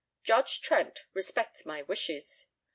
"Judge Trent respects my wishes."